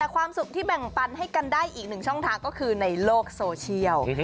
ความสุขที่แบ่งปันให้กันได้อีกหนึ่งช่องทางก็คือในโลกโซเชียล